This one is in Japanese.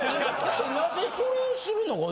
なぜそれをするのか。